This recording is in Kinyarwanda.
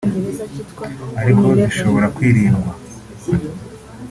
ariko zishobora kwirindwa